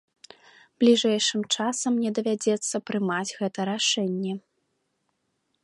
Бліжэйшым часам мне давядзецца прымаць гэта рашэнне.